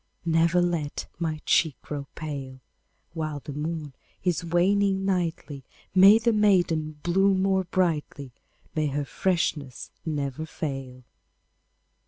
Never let my cheek grow pale! While the moon is waning nightly, May the maiden bloom more brightly, May her freshness never fail!